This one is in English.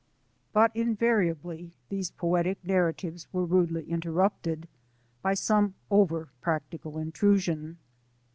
But invariably these poetic narratives were rudely interrupted by some over practical intrusion.